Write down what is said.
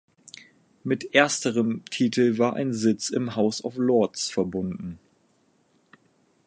Mit ersterem Titel war ein Sitz im House of Lords verbunden.